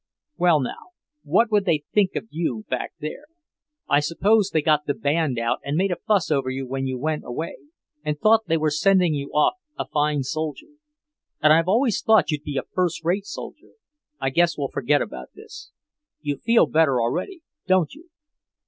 "Well, now, what would they think of you, back there? I suppose they got the band out and made a fuss over you when you went away, and thought they were sending off a fine soldier. And I've always thought you'd be a first rate soldier. I guess we'll forget about this. You feel better already, don't you?"